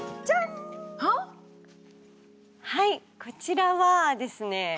はっ⁉はいこちらはですね